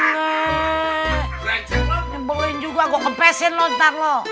ngebeluin juga gua kepesin lo ntar lo